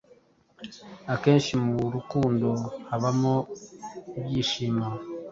Akenshi mu rukundo habamo ibyishimo